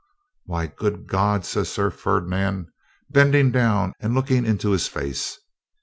'Why, good God!' says Sir Ferdinand, bending down, and looking into his face.